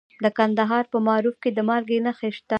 د کندهار په معروف کې د مالګې نښې شته.